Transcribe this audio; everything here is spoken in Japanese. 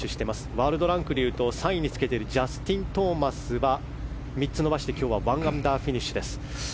ワールドランクでいうと３位につけているジャスティン・トーマスは３つ伸ばして１アンダーフィニッシュです。